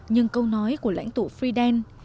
nhưng câu nói của lãnh tụ fidel